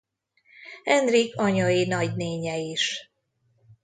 Henrik anyai nagynénje is.